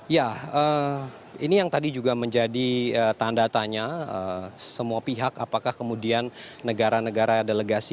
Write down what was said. ya ini yang tadi juga menjadi tanda tanya semua pihak apakah kemudian negara negara delegasi